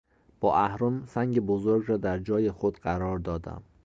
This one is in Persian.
با اهرم سنگ بزرگ را در جای خود قرار دادم.